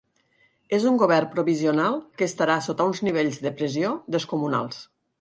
És un govern provisional que estarà sota uns nivells de pressió descomunals.